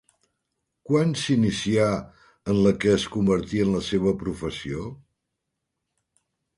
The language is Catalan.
Quan s'inicià en la que es convertí en la seva professió?